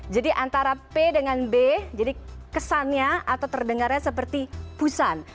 jadi antara p dengan b jadi kesannya atau terdengarnya seperti busan